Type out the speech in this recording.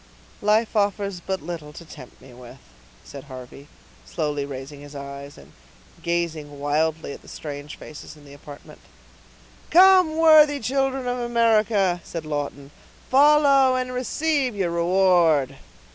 "Life offers but little to tempt me with," said Harvey, slowly raising his eyes, and gazing wildly at the strange faces in the apartment. "Come, worthy children of America!" said Lawton, "follow, and receive your reward."